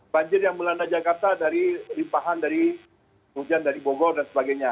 banjir yang melanda jakarta dari limpahan dari hujan dari bogor dan sebagainya